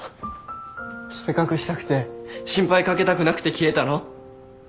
それ隠したくて心配掛けたくなくて消えたの？